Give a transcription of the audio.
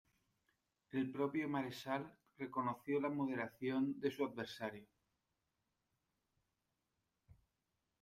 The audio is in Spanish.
El propio Marechal reconoció la moderación de su adversario.